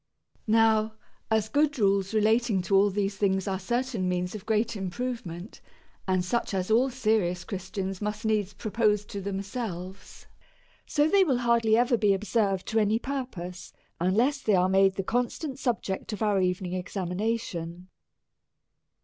Now as good rules relating to all these things are certain means of great improvement, and such as all serious Christians must needs propose to themselves, so they will hardly DEVOUT AND HOLY LIFE. 333 ever be observed to any purpose, unless they are made the constant subject of our evening examination.